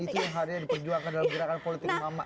itu yang harusnya diperjuangkan dalam gerakan politik mama